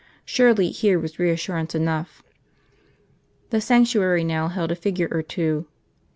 Surely here was reassurance enough. The sanctuary now held a figure or two.